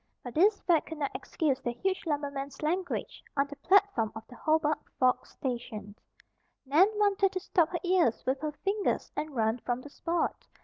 But this fact could not excuse the huge lumberman's language on the platform of the Hobart Forks station. Nan wanted to stop her ears with her fingers and run from the spot.